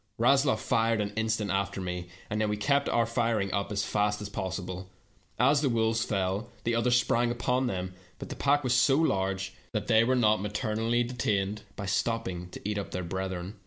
Rasloff' fired an instant after me, and then we kept up our firing as fast as possible. As the wolves fell, the others sprang upon them, but the pack was so large that they were not materi ally detained by stopping to eat up their brethren.